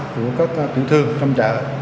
của các tủ thương trong chợ